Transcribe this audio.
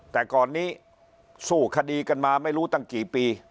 แต่ก่อนนี้สู้คดีกันมาไม่รู้ตั้งกี่ปี